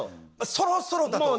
そろそろだと。